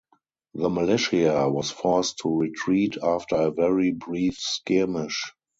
The militia was forced to retreat after a very brief skirmish.